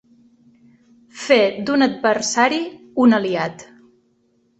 Fer d'un adversari un aliat.